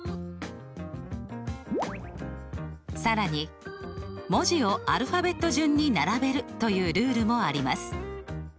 更に「文字をアルファベット順に並べる」というルールもあります。